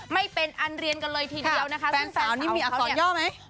ไม่เป็นอันเรียนกันเลยทีเดียวนะคะซึ่งสาวนี่มีอักษรย่อไหม